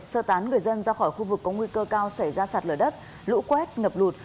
sơ tán người dân ra khỏi khu vực có nguy cơ cao xảy ra sạt lở đất lũ quét ngập lụt